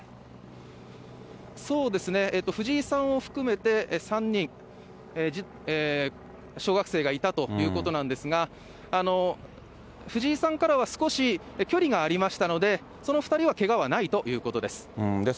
そうですね、藤井さんを含めて３人、小学生がいたということなんですが、藤井さんからは少し距離がありましたので、その２人はけがはないということです。